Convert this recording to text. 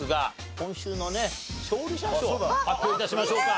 今週のね勝利者賞発表致しましょうか。